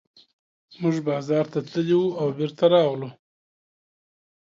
موږ بازار ته تللي وو او بېرته راغلو.